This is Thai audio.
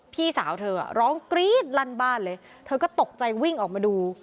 พี่สาวเธอร้องกรี๊ดลั่นบ้านเลยเธอก็ตกใจวิ่งออกมาดู